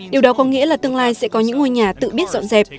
điều đó có nghĩa là tương lai sẽ có những ngôi nhà tự biết dọn dẹp